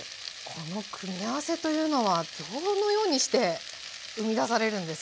この組み合わせというのはどのようにして生み出されるんですか？